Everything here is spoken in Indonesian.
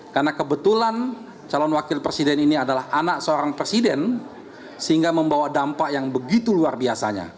karena kebetulan calon wakil presiden ini adalah anak seorang presiden sehingga membawa dampak yang begitu luar biasanya